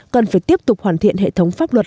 cần phải tiếp tục hoàn thiện hệ thống pháp luật